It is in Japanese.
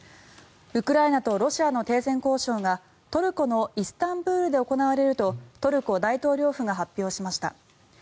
ウクライナとロシアの停戦交渉がトルコのイスタンブールで行われるとトルコ大統領府が発表しました。